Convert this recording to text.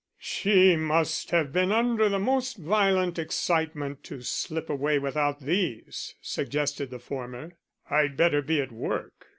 "She must have been under the most violent excitement to slip away without these," suggested the former. "I'd better be at work.